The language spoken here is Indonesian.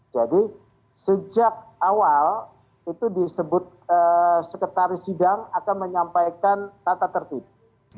jadi sejak awal itu disebut sekretaris sidang akan menyampaikan tata tertutup